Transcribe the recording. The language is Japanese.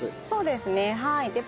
そうですねはい。